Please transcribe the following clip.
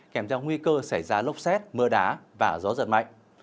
kèm theo nguy cơ xảy ra lốc xét mưa đá và gió giật mạnh